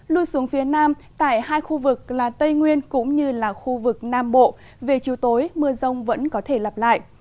lui xuống phía nam tại hai khu vực là tây nguyên cũng như là khu vực nam bộ về chiều tối mưa rông vẫn có thể lặp lại